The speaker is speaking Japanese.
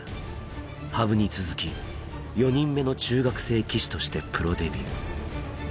羽生に続き４人目の中学生棋士としてプロデビュー。